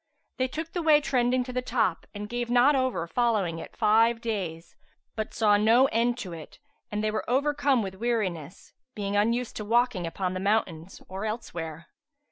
They took the way trending to the top and gave not over following it five days, but saw no end to it and were overcome with weariness, being unused to walking upon the mountains or elsewhere.